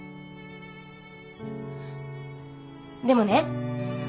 でもね